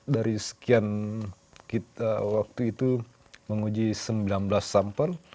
dari sekian waktu itu menguji sembilan belas sampel